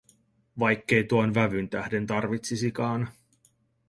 Vaikkei tuon vävyn tähden tarvitsisikaan.